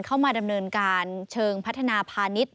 เข้ามาดำเนินการเชิงพัฒนาพาณิชย